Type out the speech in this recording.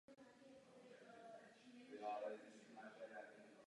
V Kure jí také zastihla kapitulace Japonska.